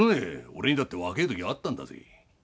俺にだって若え時あったんだぜ。